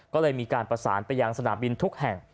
ก็เลยมีการประสานไปยังสนามบินทุกแห่ง